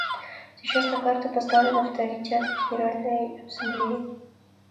Сейчас на карту поставлен авторитет Генеральной Ассамблеи.